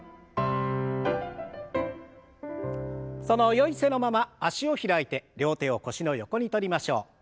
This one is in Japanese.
そのよい姿勢のまま脚を開いて両手を腰の横にとりましょう。